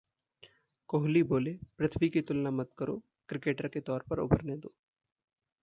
कोहली बोले- पृथ्वी की तुलना मत करो, क्रिकेटर के तौर पर उभरने दो